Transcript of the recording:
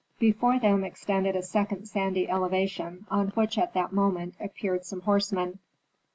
Before them extended a second sandy elevation, on which at that moment appeared some horsemen.